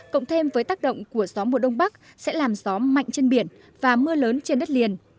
cộng thêm với tác động của gió mùa đông bắc sẽ làm gió mạnh trên biển và mưa lớn trên đất liền